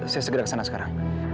saya segera kesana sekarang